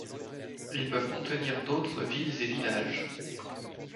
Ils peuvent contenir d'autres villes et villages.